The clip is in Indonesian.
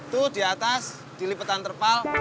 tuh di atas dilipetan terpal